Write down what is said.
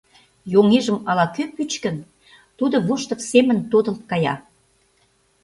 Йоҥежым ала-кӧ пӱчкын, тудо воштыр семын тодылт кая.